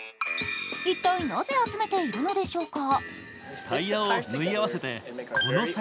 一体なぜ集めているのでしょうか。